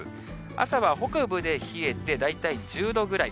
朝は北部で冷えて、大体１０度ぐらい。